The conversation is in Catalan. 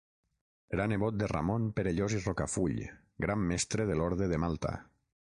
Era nebot de Ramon Perellós i Rocafull Gran Mestre de l'Orde de Malta.